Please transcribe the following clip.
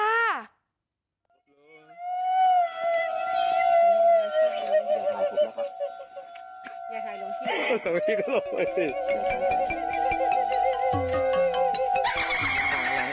แม่หนูขอรับมัน